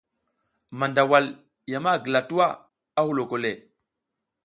Mandawal ya ma gila tuwa, a huloko le.